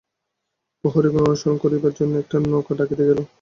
প্রহরিগণ অনুসরণ করিবার জন্য একটা নৌকা ডাকিতে গেল।